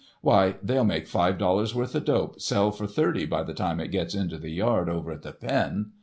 Why, they'll make five dollars worth of dope sell for thirty by the time it gets into the yard over at the Pen.